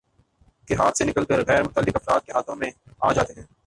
کے ہاتھ سے نکل کر غیر متعلق افراد کے ہاتھوں میں آجاتے ہیں